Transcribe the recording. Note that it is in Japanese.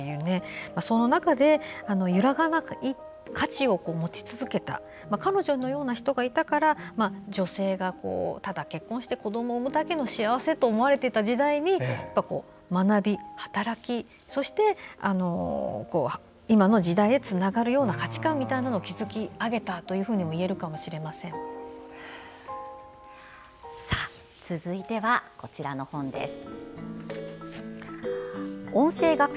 その中で揺らがない価値を持ち続けた彼女のような人がいたから女性が、ただ結婚して子どもを産むだけの幸せと思われていた時代に学び、働きそして今の時代へつながるような価値観みたいなものを築き上げたとも続いては、こちらの本です。